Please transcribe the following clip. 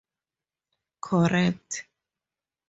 Correct.